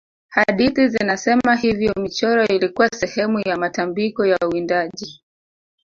hadithi zinasema hiyo michoro ilikuwa sehemu ya matambiko ya uwindaji